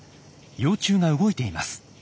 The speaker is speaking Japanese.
幼虫が動いています。